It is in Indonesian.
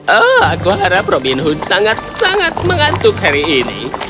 oh aku harap robin hood sangat sangat mengantuk hari ini